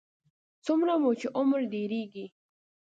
څومره مو چې عمر ډېرېږي.